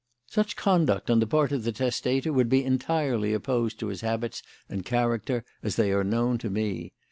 "Such conduct on the part of the testator would be entirely opposed to his habits and character as they are known to me.